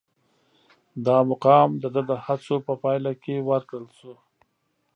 دا مقام د ده د هڅو په پایله کې ورکړل شو.